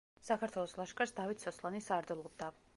საქართველოს ლაშქარს დავით სოსლანი სარდლობდა.